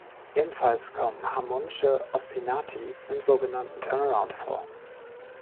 Ebenfalls kommen harmonische Ostinati im so genannten Turnaround vor.